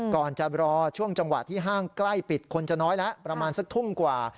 ก่อนจะรอช่วงจังหวะที่ห้างใกล้ปิดคนจะน้อยแล้วประมาณสักทุ่มกว่า